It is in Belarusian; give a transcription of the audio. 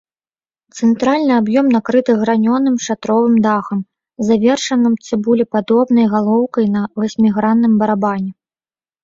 Цэнтральны аб'ём накрыты гранёным шатровым дахам, завершаным цыбулепадобнай галоўкай на васьмігранным барабане.